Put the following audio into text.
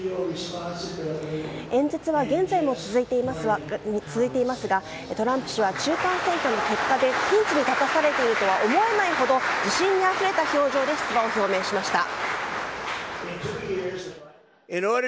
演説は現在も続いていますがトランプ氏は中間選挙の結果でピンチに立たされていると思えないほど自信にあふれた表情で出馬を表明しました。